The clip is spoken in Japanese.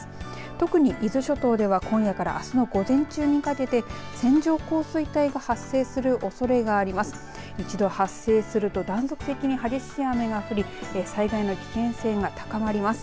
特に伊豆諸島では今夜からあすの午前中にかけて線状降水帯が発生するおそれがあります。